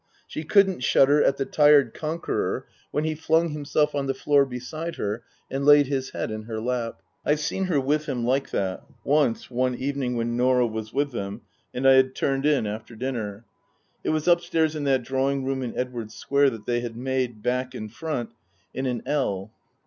She couldn't shudder at the tired conqueror when he flung himself on the floor beside her and laid his head in her lap. I've seen her with him like that once, one evening when Norah was with them, and I had turned in after dinner ; it was upstairs in that drawing room in Edwardes Square that they had made, back and front, in an L.